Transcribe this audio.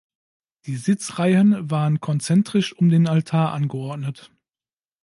Die Sitzreihen waren konzentrisch um den Altar angeordnet.